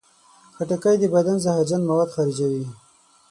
خټکی د بدن زهرجن مواد خارجوي.